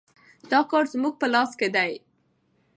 دا کار زموږ په لاس کې دی.